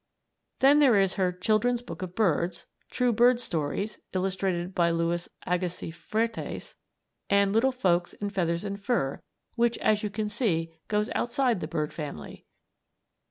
Then there is her "Children's Book of Birds," "True Bird Stories," illustrated by Louis Agassiz Fuertes, and "Little Folks in Feathers and Fur," which, as you can see, goes outside the bird family.